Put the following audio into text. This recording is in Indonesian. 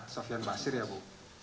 sofyan basir ya bu